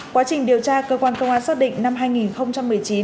quá trình điều tra cơ quan công an xác định năm hai nghìn một mươi chín